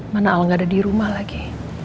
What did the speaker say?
mana alam gak ada dirumah lagi